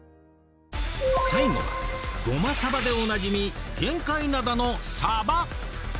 最後はゴマサバでおなじみ玄界灘のサバ！